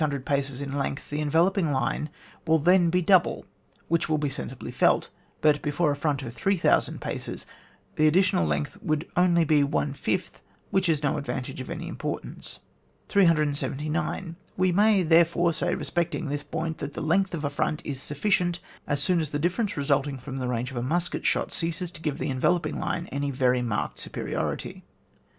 Before a front of 600 paces in lengthy the enveloping line will then be double, which wiU be sensibly felt ; but before a front of 3,000 paces the addi tional length would only be one fifth, which is no advantage of any importance 379. We may, therefore, say respect ing this point, that the length of front is sufficient as soon as the difference result ing from the range of a musket shot ceases to give the enveloping line any very marked superiority.